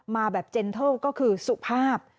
มาแบบเจนเทิลก็คือสุภาพ